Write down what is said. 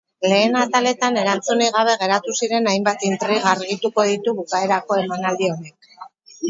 Lehen ataletan erantzunik gabe geratu ziren hainbat intriga argituko ditu bukaerako emanaldi honek.